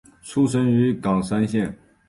出身于冈山县。